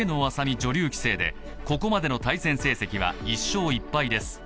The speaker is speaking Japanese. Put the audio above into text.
女流棋聖でここまでの対戦成績は１勝１敗です。